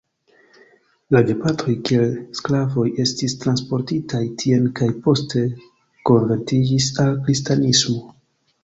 La gepatroj kiel sklavoj estis transportitaj tien kaj poste konvertiĝis al kristanismo.